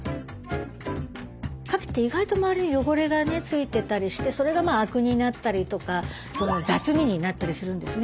かきって意外と周りに汚れが付いてたりしてそれがアクになったりとか雑味になったりするんですね。